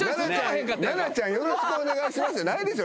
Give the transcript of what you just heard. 奈々ちゃんよろしくお願いしますじゃないでしょ。